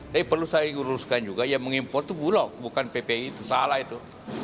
tapi perlu saya luruskan juga yang mengimpor itu bulog bukan ppi itu salah itu